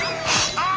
ああ。